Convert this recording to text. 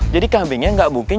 jadi kambingnya nggak bungking